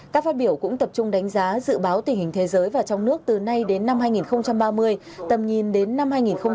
các phát biểu cũng tập trung đánh giá dự báo tình hình thế giới và trong nước từ nay đến năm hai nghìn ba mươi tầm nhìn đến năm hai nghìn bốn mươi năm